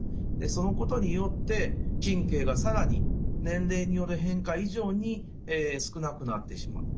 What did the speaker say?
そのことによって神経が更に年齢による変化以上に少なくなってしまう。